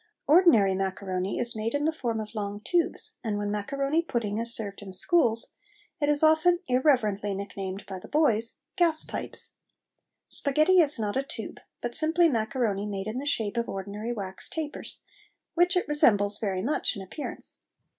Ordinary macaroni is made in the form of long tubes, and when macaroni pudding is served in schools, it is often irreverently nicknamed by the boys gas pipes. Sparghetti is not a tube, but simply macaroni made in the shape of ordinary wax tapers, which it resembles very much in appearance.